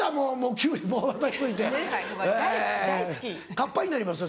カッパになりますよ